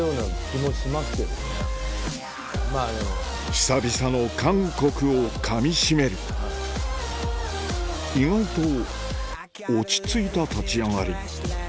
久々の韓国をかみしめる意外と落ち着いた立ち上がり